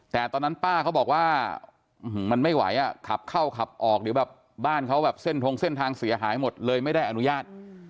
แต่ตอนนั้นป้าเขาบอกว่ามันไม่ไหวอ่ะขับเข้าขับออกเดี๋ยวแบบบ้านเขาแบบเส้นทงเส้นทางเสียหายหมดเลยไม่ได้อนุญาต